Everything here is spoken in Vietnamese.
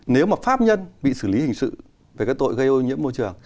nếu mà pháp nhân bị xử lý hình sự về các tội gây ô nhiễm môi trường